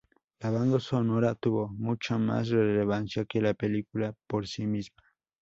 La banda sonora tuvo mucha más relevancia que la película por sí misma.